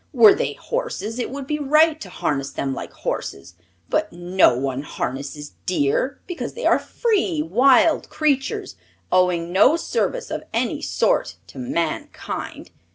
Were they horses it would be right to harness them like horses. But no one harnesses deer because they are free, wild creatures, owing no service of any sort to mankind.